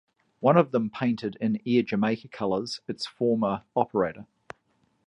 One of them painted in Air Jamaica colours, its former operator.